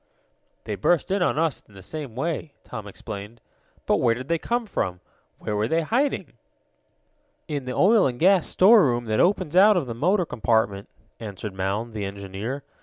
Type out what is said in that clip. "They burst in on us in the same way," Tom explained. "But where did they come from? Where were they hiding?" "In the oil and gasoline storeroom that opens out of the motor compartment," answered Mound, the engineer.